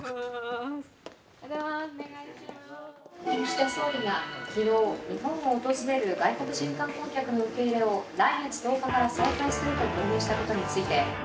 「岸田総理が昨日日本を訪れる外国人観光客の受け入れを来月１０日から再開すると表明したことについて」。